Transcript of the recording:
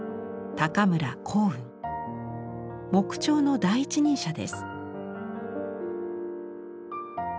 木彫の第一人者です。